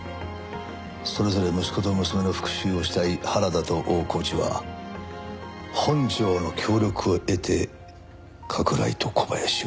それぞれ息子と娘の復讐をしたい原田と大河内は本条の協力を得て加倉井と小林を。